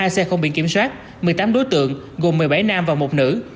hai xe không biển kiểm soát một mươi tám đối tượng gồm một mươi bảy nam và một nữ